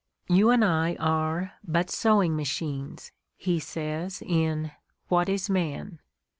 "You and I are but sewing machines," he says in "What Is Man?"